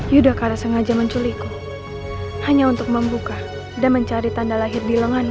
yudhacara sengaja menculikku hanya untuk membuka dan mencari tanda lahir di lenganku